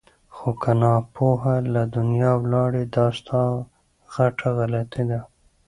خو که ناپوه له دنیا ولاړې دا ستا غټه غلطي ده!